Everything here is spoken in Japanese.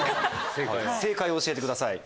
正解を教えてください。